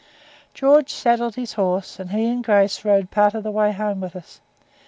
George saddled his horse, and he and Grace rode part of the way home with us.